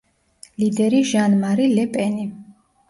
ლიდერი ჟან-მარი ლე პენი.